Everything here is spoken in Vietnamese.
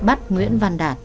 bắt nguyễn văn đạt